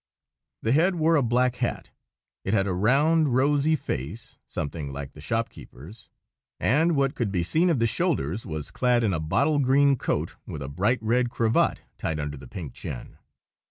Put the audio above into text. The head wore a black hat; it had a round, rosy face, something like the shopkeeper's, and what could be seen of the shoulders was clad in a bottle green coat, with a bright red cravat tied under the pink chin.